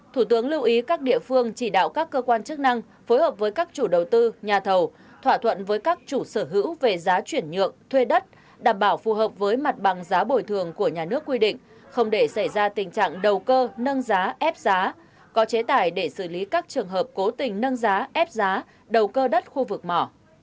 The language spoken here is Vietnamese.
thủ tướng lưu ý các địa phương chỉ đạo các cơ quan chức năng phối hợp với các chủ đầu tư nhà thầu thỏa thuận với các chủ sở hữu về giá chuyển nhượng thuê đất đảm bảo phù hợp với mặt bằng giá bồi thường của nhà nước quy định không để xảy ra tình trạng đầu cơ nâng giá ép giá có chế tải để xử lý các trường hợp cố tình nâng giá ép giá đầu cơ đất khu vực mỏ